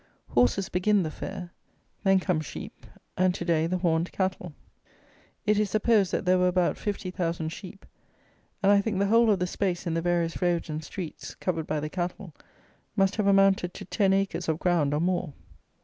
Horses begin the fair; then come sheep; and to day, the horned cattle. It is supposed that there were about 50,000 sheep, and I think the whole of the space in the various roads and streets, covered by the cattle, must have amounted to ten acres of ground or more.